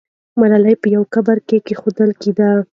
ملالۍ په یوه قبر کې کښېږده.